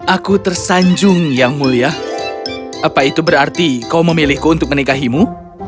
aku tersanjung yang mulia apa itu berarti kau memilihku untuk menikahimu